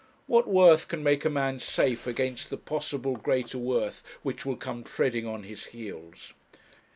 What worth can make a man safe against the possible greater worth which will come treading on his heels?